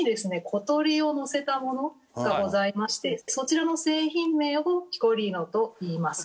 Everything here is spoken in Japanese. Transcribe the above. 小鳥をのせたものがございましてそちらの製品名をピコリーノといいます。